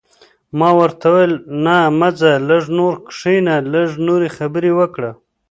ما ورته وویل: نه، مه ځه، لږ نور کښېنه، لږ نورې خبرې وکړه.